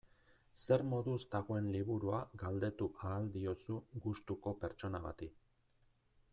Zer moduz dagoen liburua galdetu ahal diozu gustuko pertsona bati.